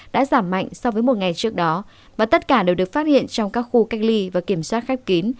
đã giảm mạnh so với một ngày trước đó và tất cả đều được phát hiện trong các khu cách ly và kiểm soát khép kín